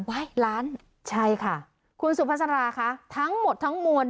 ไว้ล้านใช่ค่ะคุณสุภาษาราคะทั้งหมดทั้งมวล